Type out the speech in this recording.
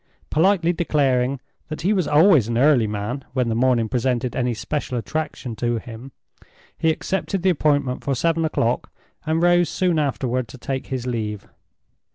Politely declaring that he was always an early man when the morning presented any special attraction to him, he accepted the appointment for seven o'clock, and rose soon afterward to take his leave.